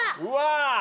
うわ！